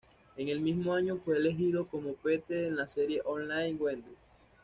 En el mismo año fue elegido como Pete en la serie online "Wendy".